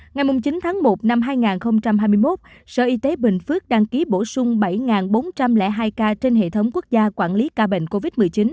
ngày chín tháng một năm hai nghìn hai mươi một sở y tế bình phước đăng ký bổ sung bảy bốn trăm linh hai ca trên hệ thống quốc gia quản lý ca bệnh covid một mươi chín